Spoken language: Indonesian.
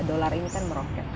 dolar ini kan meroket